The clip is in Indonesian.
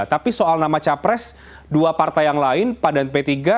tapi soal nama capres dua partai yang lain pan dan p tiga